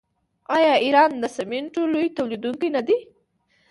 آیا ایران د سمنټو لوی تولیدونکی نه دی؟